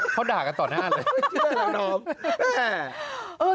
เขาด่ากันต่อหน้าเลย